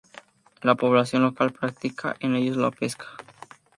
La población local practica en ellos la pesca.